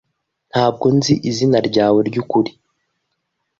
Ntabwo nzi izina ryawe ryukuri.